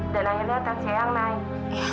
dan akhirnya tersayang naik